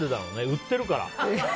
売ってるから。